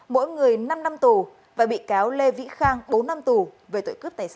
mỗi người năm năm tù và bị cáo lê vĩ khang bốn năm tù về tội cướp tài sản